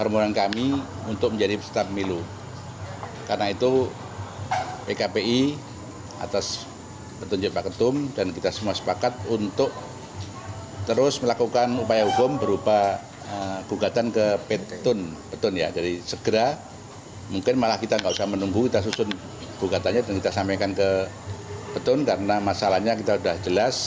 mungkin malah kita tidak usah menunggu kita susun gugatannya dan kita sampaikan ke pt un karena masalahnya kita sudah jelas